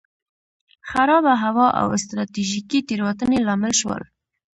خرابه هوا او ستراتیژیکې تېروتنې لامل شول.